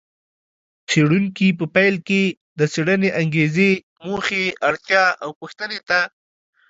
څېړونکي په پیل کې د څېړنې انګېزې، موخې، اړتیا او پوښتنې ته